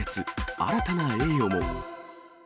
新たな栄誉も。